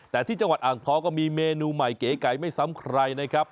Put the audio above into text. แต่ที่จังหวัดอ่างทองก็มีเมนูใหม่เก๋ไก่ไม่ซ้ำใครนะครับ